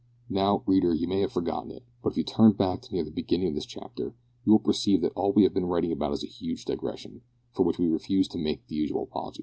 Now, reader, you may have forgotten it, but if you turn back to near the beginning of this chapter, you will perceive that all we have been writing about is a huge digression, for which we refuse to make the usual apology.